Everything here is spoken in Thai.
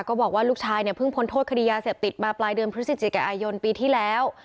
บอกว่าลูกชายเนี่ยเพิ่งพ้นโทษคดียาเสพติดมาปลายเดือนพฤศจิกายนปีที่แล้ว